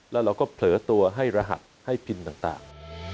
แล้วเราก็เผลอตัวให้รหัสให้พิมพ์ต่าง